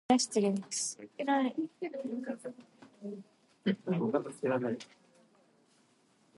It also includes the Max Beckmann Archive.